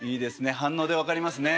反応で分かりますねえ。